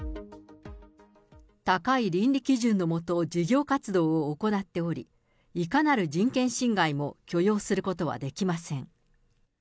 高い倫理基準のもと、事業活動を行っており、いかなる人権侵害も許容することはできません。